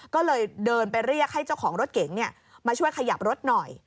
ก็เลยเดินไปเรียกให้เจ้าของรถเก๋งมาช่วยขยับรถหน่อย